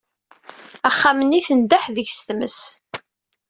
Axxam-nni tendeḥ deg-s tmes.